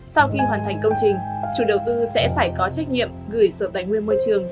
sau khi hoàn thành công trình chủ đầu tư sẽ phải có trách nhiệm gửi sở tài nguyên